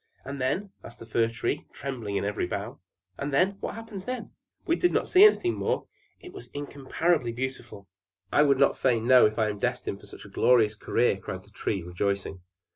"And then?" asked the Fir Tree, trembling in every bough. "And then? What happens then?" "We did not see anything more: it was incomparably beautiful." "I would fain know if I am destined for so glorious a career," cried the Tree, rejoicing.